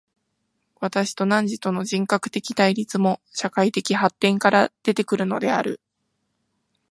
私と汝との人格的対立も、社会的発展から出て来るのである。